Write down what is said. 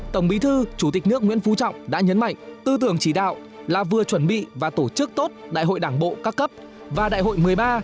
tổng bí thư chủ tịch nước nguyễn phú trọng đã nhấn mạnh tư tưởng chỉ đạo là vừa chuẩn bị và tổ chức tốt đại hội đảng bộ các cấp và đại hội một mươi ba